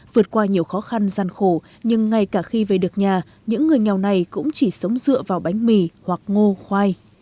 vượt qua nhiều khó khăn gian khổ nhưng ngay cả khi về được nhà những người nghèo này cũng chỉ sống dựa vào bánh mì hoặc ngô khoai